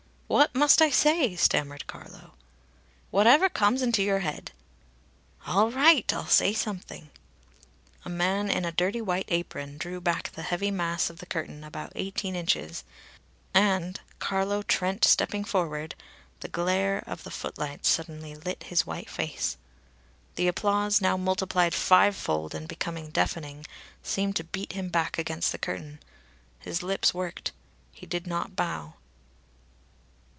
"What must I say?" stammered Carlo. "Whatever comes into your head." "All right! I'll say something." A man in a dirty white apron, drew back the heavy mass of the curtain about eighteen inches, and, Carlo Trent stepping forward, the glare of the footlights suddenly lit his white face. The applause, now multiplied fivefold and become deafening, seemed to beat him back against the curtain. His lips worked. He did not bow.